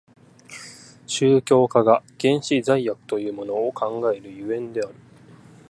宗教家が原始罪悪というものを考える所以である。